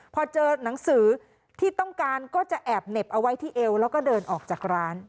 พอเจอหนังสือที่ต้องการก็จะแอบเหน็บเอาไว้ที่เอวแล้วก็เดินออกจากร้าน